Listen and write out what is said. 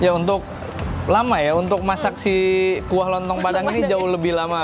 ya untuk lama ya untuk masak si kuah lontong padang ini jauh lebih lama